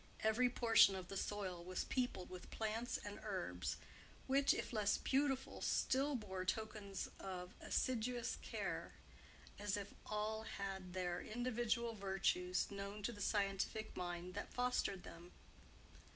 Every portion of the soil was peopled with plants and herbs, which, if less beautiful, still bore tokens of assiduous care, as if all had their individual virtues, known to the scientific mind that fostered them.